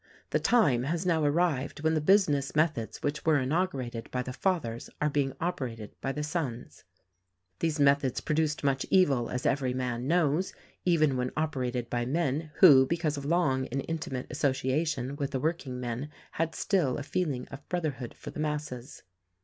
"The time has now arrived when the business methods which were inaugurated by the fathers are being operated bv the sons. THE RECORDING ANGEL 85 "These methods produced much evil, as every man knows, even when operated by men who, because of long and intimate association with the workingmen, had still a feeling of brotherhood for the masses.